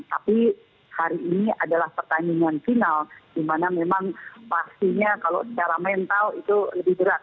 tapi hari ini adalah pertandingan final di mana memang pastinya kalau secara mental itu lebih berat